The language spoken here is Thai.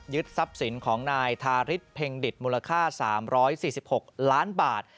ทรัพย์สินของนายทาริสเพ็งดิตมูลค่า๓๔๖ล้านบาท